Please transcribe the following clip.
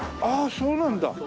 ああそうなんだ。